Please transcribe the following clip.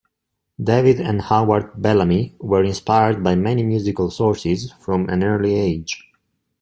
David and Howard Bellamy were inspired by many musical sources from an early age.